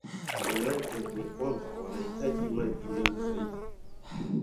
maanake ni kwamba wanahitaji maji mengi zaidi